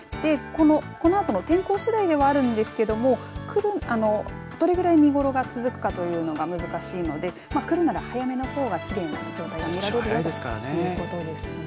このあとの天候次第ではあるんですけれどもどれぐらい見頃が続くかというのが難しいので来るなら早めの方がきれいな状態が見られるよと言うことです。